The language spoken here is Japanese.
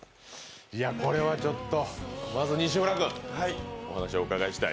これはまず西村君、お話をお伺いしたい。